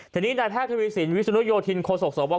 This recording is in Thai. ทีนี้นายแพทย์ทมิสิลวิสุนโยธิณโคศกบอกว่า